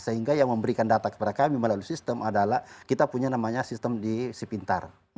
sehingga yang memberikan data kepada kami melalui sistem adalah kita punya namanya sistem di sipintar